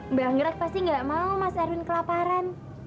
mba anggrek pasti gak mau mas erwin kelaparan